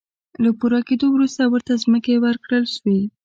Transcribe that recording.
له پوره کېدو وروسته ورته ځمکې ورکړل شوې.